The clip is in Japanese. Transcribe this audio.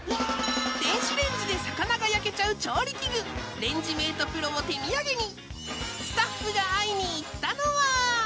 電子レンジで魚が焼けちゃう調理器具レンジメートプロを手土産に